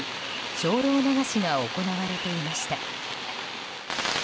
精霊流しが行われていました。